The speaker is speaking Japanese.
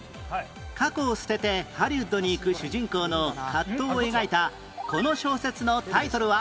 過去を捨ててハリウッドに行く主人公の葛藤を描いたこの小説のタイトルは？